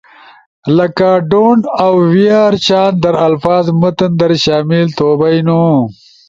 لکہ ” “don’t” اؤ “we’re” شان در الفاظ متن در شامل تھو بئینو۔